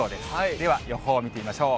では、予報を見てみましょう。